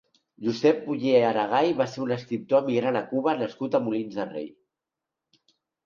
Josep Oller Aragay va ser un escriptor emigrant a Cuba nascut a Molins de Rei.